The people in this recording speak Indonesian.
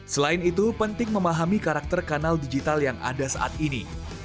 selain itu penting memahami karakter kanal digital yang ada saat ini